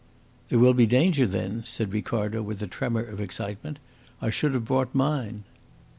"There will be danger, then?" said Ricardo, with a tremor of excitement. "I should have brought mine."